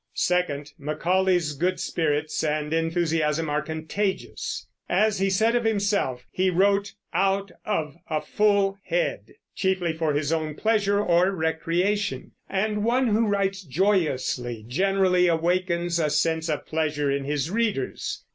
Second, Macaulay's good spirits and enthusiasm are contagious. As he said himself, he wrote "out of a full head," chiefly for his own pleasure or recreation; and one who writes joyously generally awakens a sense of pleasure in his readers.